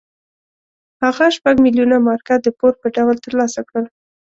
هغه شپږ میلیونه مارکه د پور په ډول ترلاسه کړل.